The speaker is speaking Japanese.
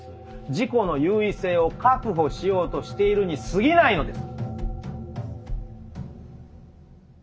自己の優位性を確保しようとしているにすぎないのです。